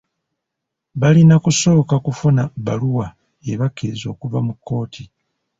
Balina kusooka kufuna bbaluwa ebakkiriza okuva mu kkooti.